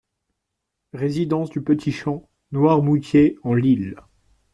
Résidence du Petit Champ, Noirmoutier-en-l'Île